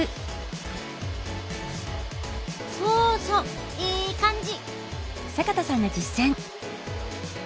そうそうええ感じ。